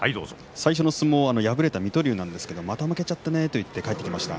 最初の相撲敗れた水戸龍ですがまた負けちゃったねと言って帰ってきました。